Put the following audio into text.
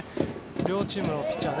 両チームのピッチャー